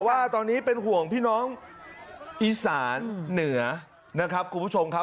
ว่าตอนนี้เป็นห่วงพี่น้องอีสานเหนือนะครับคุณผู้ชมครับ